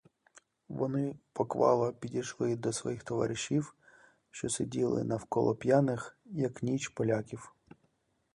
Вони поквапно підійшли до своїх товаришів, що сиділи навколо п'яних, як ніч, поляків.